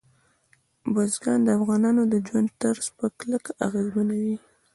بزګان د افغانانو د ژوند طرز په کلکه اغېزمنوي.